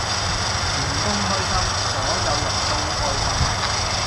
員工開心，所有人都開心